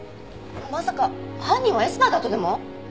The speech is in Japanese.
まさか犯人はエスパーだとでも？